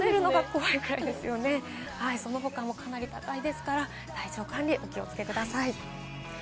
その他もかなり高いですから体調管理にお気をつけください。